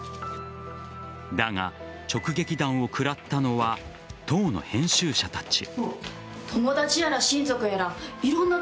だが、直撃弾を食らったのは当の編集者たち。